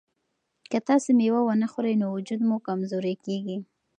که تاسي مېوه ونه خورئ نو وجود مو کمزوری کیږي.